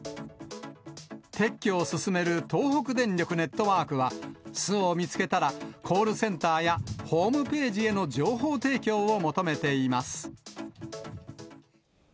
撤去を進める東北電力ネットワークは、巣を見つけたら、コールセンターやホームページへの情報提供を求めています。